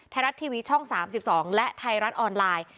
ไทยรัฐทีวีช่อง๓๒และไทยรัฐออนไลน์